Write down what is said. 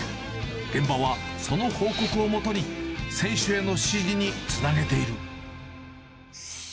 現場はその報告をもとに、選手への指示につなげている。